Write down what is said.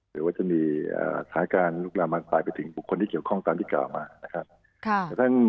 หรือว่าจะมีสถานการณ์ลุกลามบานปลายไปถึงบุคคลที่เกี่ยวข้องตามที่กล่าวมานะครับ